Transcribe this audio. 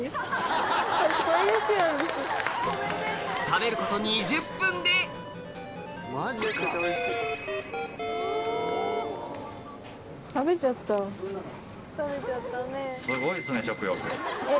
食べること２０分ですごいっすね食欲。